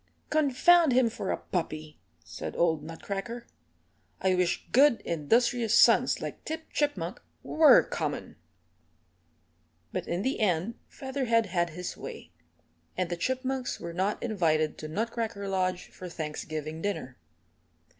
"Confound him for a puppy," said old Nutcracker. "I wish good, industrious sons like Tip Chipmunk were common." But in the end Featherhead had his way, and the Chipmunks were not invited to Nutcracker Lodge for Thanksgiving dinner.